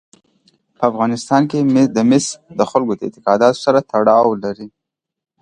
په افغانستان کې مس د خلکو د اعتقاداتو سره تړاو لري.